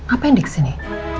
apa yang di sini